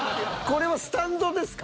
これはスタンドですか？